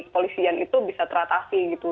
kepolisian itu bisa teratasi gitu